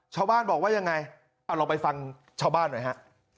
ชาวบ้านบอกว่ายังไงเอาลองไปฟังชาวบ้านหน่อยฮะ